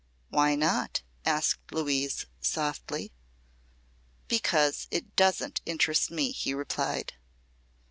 "Why not?" asked Louise, softly. "Because it doesn't interest me," he replied.